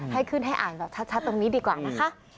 ให้ขึ้นให้อ่านแบบชัดตรงนี้ดีกว่านะคะ